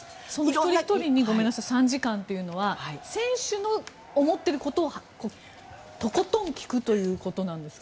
一人ひとりに３時間というのは選手の思っていることをとことん聞くということなんですか。